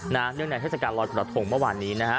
นะเนื่องในเทศกาลรอดประถงประวัตินี้นะฮะ